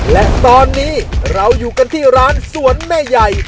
และตอนนี้เราอยู่กันที่ร้านสวนแม่ใหญ่